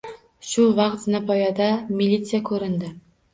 Shu vaqt zinapoyada militsiya ko‘rindi.